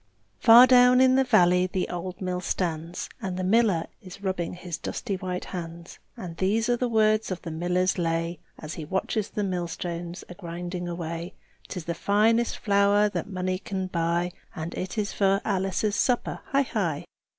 Far down in the valley the old mill stands, And the miller is rubbing his dusty white hands; And these are the words of the miller's lay, As he watches the millstones a grinding away: "'Tis the finest flour that money can buy, And it is for Alice's supper, hi!